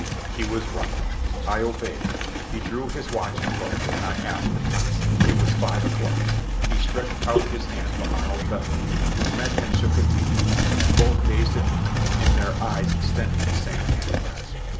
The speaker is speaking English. He was right. I obeyed. He drew his watch and looked, and I asked the time. It was five o'clock. He stretched out his hand to Arnold Bentham, who met and shook it weakly; and both gazed at me, in their eyes extending that same hand clasp.